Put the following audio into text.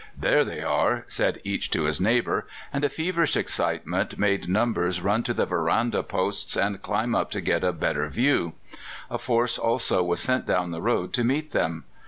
"There they are," said each to his neighbour, and a feverish excitement made numbers run to the veranda posts, and climb up to get a better view. A force also was sent down the road to meet them.